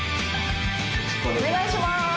お願いしまーす。